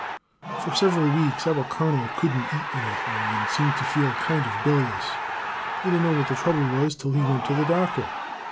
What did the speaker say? "For several weeks our colonel couldn't eat anything, and seemed to feel kind of billious. He didn't know what the trouble was till he went to the doctor.